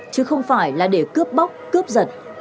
chứ không phải là để cướp bóc cướp giật